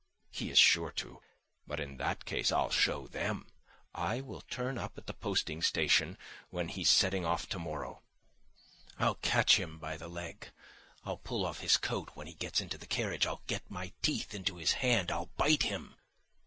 He is sure to; but in that case I'll show them ... I will turn up at the posting station when he's setting off tomorrow, I'll catch him by the leg, I'll pull off his coat when he gets into the carriage. I'll get my teeth into his hand, I'll bite him.